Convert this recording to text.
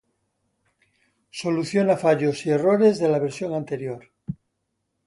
Soluciona fallos y errores de la versión anterior.